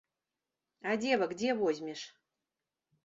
А дзевак дзе возьмеш?